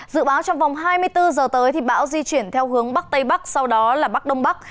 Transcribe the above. dự báo trong vòng hai mươi bốn giờ tới thì bão di chuyển theo hướng bắc tây bắc sau đó là bắc đông bắc